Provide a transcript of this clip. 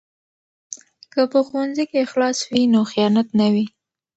که په ښوونځي کې اخلاص وي نو خیانت نه وي.